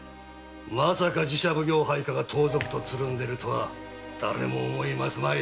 まさか寺社奉行配下が盗賊とつるんでいるとは誰も思うまい。